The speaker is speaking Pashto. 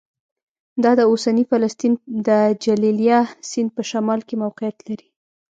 دا د اوسني فلسطین د جلیلیه سیند په شمال کې موقعیت لري